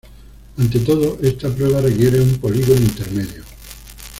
Ante todo, esta prueba requiere un polígono intermedio.